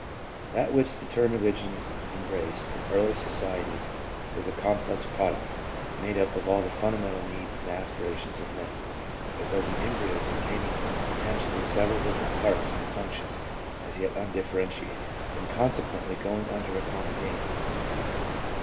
That which the term Religion embraced in early societies was a complex product, made up of all the fundamental needs and aspirations of men. It was an embryo containing poten tially several different parts and functions as yet undiffer entiated, and consequently going under a common name.